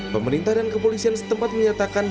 pemerintah dan kepolisian setempat menyatakan